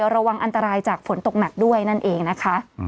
ระวังอันตรายจากฝนตกหนักด้วยนั่นเองนะคะ